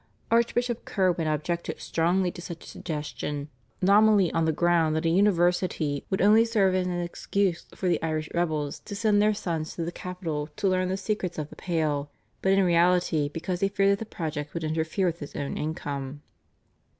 Archbishop Curwen objected strongly to such a suggestion, nominally on the ground that a university would only serve as an excuse for the Irish rebels to send their sons to the capital to learn the secrets of the Pale, but in reality because he feared that the project would interfere with his own income.